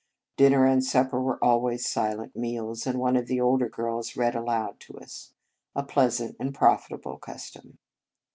Dinner and sup per were always silent meals, and one of the older girls read aloud to us, a pleasant and profitable cus tom.